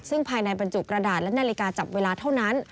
ซึ่งภายในบรรจุกระดาษและนาฬิกาจับเวลาเท่านั้น